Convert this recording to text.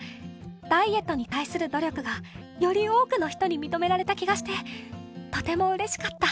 ダイエットに対する努力が、より多くの人に認められた気がしてとても嬉しかった。